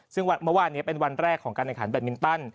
ซึ่งเมื่อวานนี้เป็นวันแรกของการแข่งขันแบตมินตัน